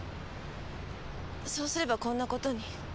そうすればこんなことに。